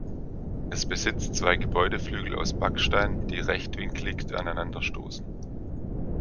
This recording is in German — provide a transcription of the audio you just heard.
Es besitzt zwei Gebäudeflügel aus Backstein, die rechtwinkelig aneinander stoßen.